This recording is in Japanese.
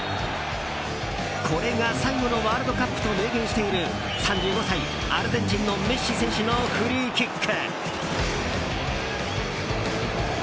これが最後のワールドカップと明言している３５歳、アルゼンチンのメッシ選手のフリーキック。